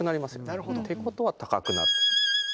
なるほど。ってことは高くなる。